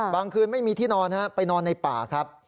บางคืนไม่มีที่นอนนะครับไปนอนในป่าครับ